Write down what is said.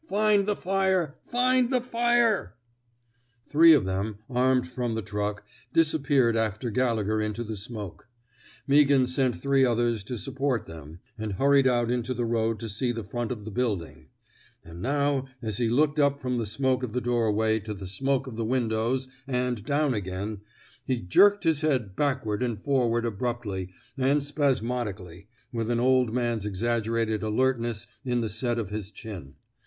Find the firel Find the firel ^^ Three of them, armed from the truck, dis appeared after Gallegher into the smoke. Meaghan sent three others to support them, and hurried out into the road to see the front of the building; and now, as he looked up from the smoke of the doorway to the smoke of the windows and down again, he jerked his head backward and forward abruptly and spasmodically, with an old man's exaggerated alertness in the set of his chin.